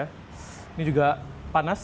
ini juga panas